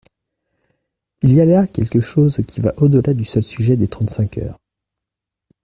Il y a là quelque chose qui va au-delà du seul sujet des trente-cinq heures.